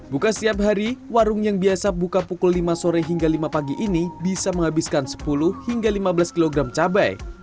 buka setiap hari warung yang biasa buka pukul lima sore hingga lima pagi ini bisa menghabiskan sepuluh hingga lima belas kg cabai